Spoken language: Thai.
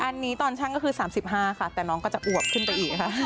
อันนี้ตอนช่างก็คือ๓๕ค่ะแต่น้องก็จะอวบขึ้นไปอีกค่ะ